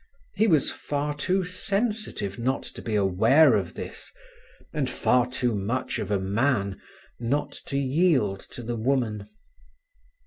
He was far too sensitive not to be aware of this, and far too much of a man not to yield to the woman.